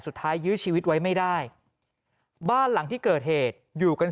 ยื้อชีวิตไว้ไม่ได้บ้านหลังที่เกิดเหตุอยู่กัน